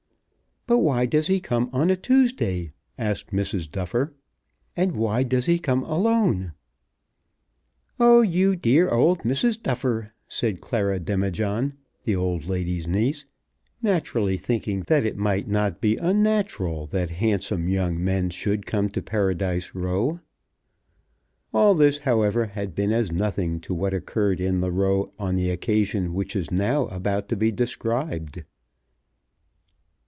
"But why does he come on a Tuesday?" asked Mrs. Duffer; "and why does he come alone?" "Oh you dear old Mrs. Duffer!" said Clara Demijohn, the old lady's niece, naturally thinking that it might not be unnatural that handsome young men should come to Paradise Row. All this, however, had been as nothing to what occurred in the Row on the occasion which is now about to be described.